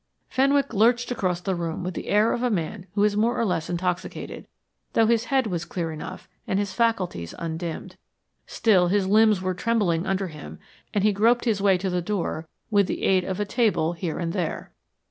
Fenwick lurched across the room with the air of a man who is more or less intoxicated, though his head was clear enough and his faculties undimmed. Still, his limbs were trembling under him and he groped his way to the door with the aid of a table here and there.